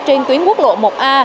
trên tuyến quốc lộ một a